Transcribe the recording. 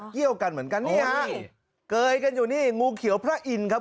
เกี่ยวกันเหมือนกันนี่ฮะเกยกันอยู่นี่งูเขียวพระอินทร์ครับ